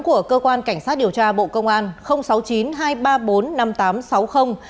của cơ quan cảnh sát điều tra bộ công an